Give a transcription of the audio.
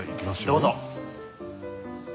どうぞ。